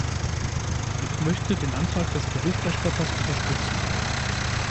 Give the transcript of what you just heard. Ich möchte den Antrag des Berichterstatters unterstützen.